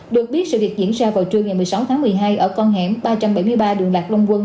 được biết sự việc diễn ra vào trưa ngày một mươi sáu tháng một mươi hai ở con hẻm ba trăm bảy mươi ba đường lạc long quân